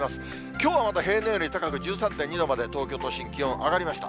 きょうはまだ平年より高く１３．２度まで東京都心気温上がりました。